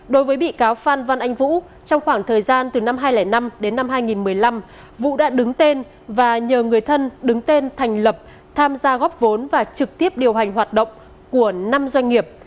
đối với bị cáo phan văn anh vũ trong khoảng thời gian từ năm hai nghìn năm đến năm hai nghìn một mươi năm vũ đã đứng tên và nhờ người thân đứng tên thành lập tham gia góp vốn và trực tiếp điều hành hoạt động của năm doanh nghiệp